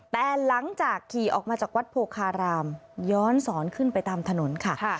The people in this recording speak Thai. แต่หลังจากขี่ออกมาจากวัดโพคารามย้อนสอนขึ้นไปตามถนนค่ะ